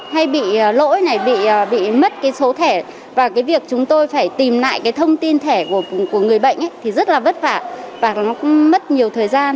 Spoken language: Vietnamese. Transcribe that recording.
hay bị lỗi này bị mất cái số thẻ và cái việc chúng tôi phải tìm lại cái thông tin thẻ của người bệnh thì rất là vất vả và nó cũng mất nhiều thời gian